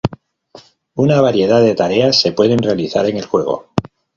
Una variedad de tareas se pueden realizar en el juego.